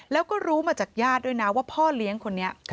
แล้วก็รู้มาจากญาติด้วยนะว่าพ่อเลี้ยงคนนี้